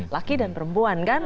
laki dan perempuan kan